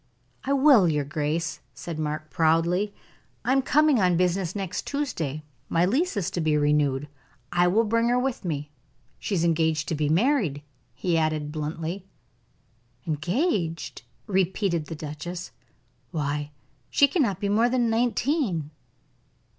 "I will, your grace," said Mark, proudly. "I am coming on business next Tuesday; my lease is to be renewed. I will bring her with me. She is engaged to be married," he added, bluntly. "Engaged!" repeated the duchess. "Why, she cannot be more than nineteen."